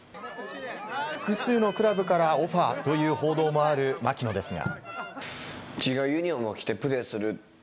複数のクラブからオファーという報道もある槙野ですが。